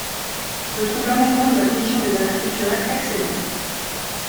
Je trouve l’amendement de la commission des affaires culturelles excellent.